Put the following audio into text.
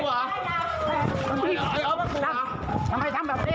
ไป